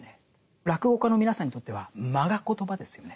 落語家の皆さんにとっては間がコトバですよね。